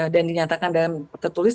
dan dinyatakan dalam petulis